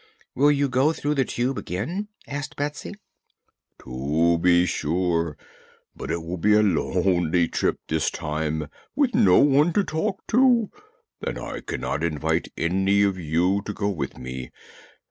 "Will you go through the Tube again?" asked Betsy. "To be sure. But it will be a lonely trip this time, with no one to talk to, and I cannot invite any of you to go with me.